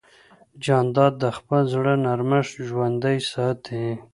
جانداد د خپل زړه نرمښت ژوندی ساتي.